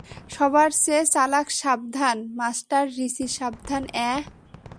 সবার চেয়ে চালাক সাবধান, মাস্টার রিচি সাবধান এহ?